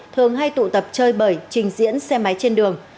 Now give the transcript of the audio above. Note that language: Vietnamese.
thường hay tụ tập chơi bởi trình diễn xem máy trên đường